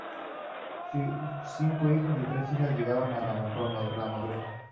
Cinco hijos y tres hijas llegaron con la madurez.